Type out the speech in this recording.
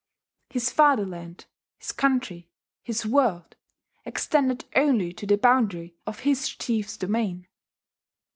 His fatherland, his country, his world, extended only to the boundary of his chief's domain.